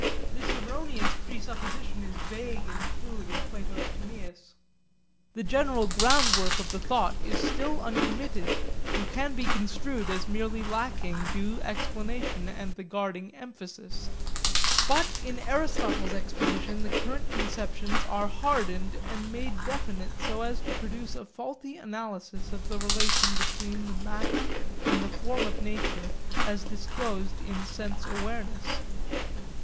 This erroneous presupposition is vague and fluid in Plato's Timaeus. The general groundwork of the thought is still uncommitted and can be construed as merely lacking due explanation and the guarding emphasis. But in Aristotle's exposition the current conceptions were hardened and made definite so as to produce a faulty analysis of the relation between the matter and the form of nature as disclosed in sense awareness.